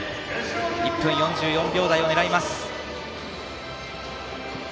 １分４４秒台を狙います。